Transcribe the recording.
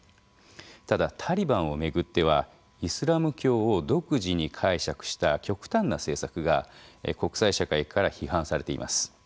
ただタリバンを巡ってはイスラム教を独自に解釈した極端な政策が国際社会から批判されています。